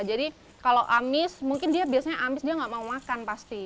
jadi kalau amis mungkin dia biasanya amis dia nggak mau makan pasti